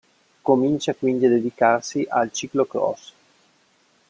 Comincia quindi a dedicarsi al ciclocross.